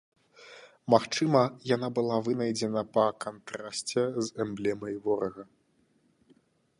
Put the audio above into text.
Магчыма, яна была вынайдзена па кантрасце з эмблемай ворага.